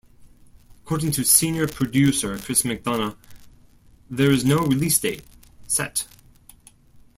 According to Senior Producer Chris McDonough there "is no release date" set.